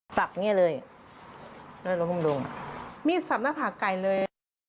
สับเงี้ยเลยมีสับหน้าผักไก่เลย